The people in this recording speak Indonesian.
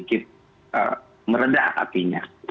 jadi kita harus sedikit meredah hatinya